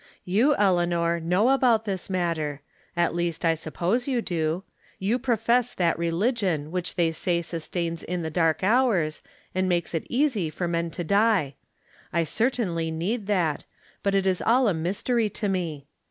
You, Eleanor, Icnow about this matter ; at least, I suppose you do. You profess that religion which they say sustains in the dark hours, and makes it easy for men to die. I certainly need that, but it is all a mystery to me.